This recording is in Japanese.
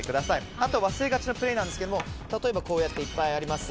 あとは忘れがちなプレーですが例えば、いっぱいあります。